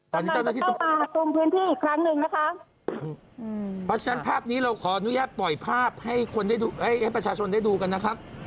เพราะฉะนั้นภาพนี้เราขออนุญาตปล่อยภาพให้ประชาชนได้ดูกันนะครับ